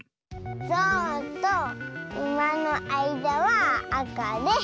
ゾウとウマのあいだはあかで。